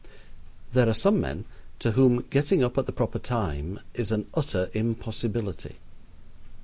There are some men to whom getting up at the proper time is an utter impossibility.